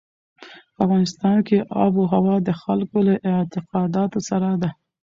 په افغانستان کې آب وهوا د خلکو له اعتقاداتو سره ده.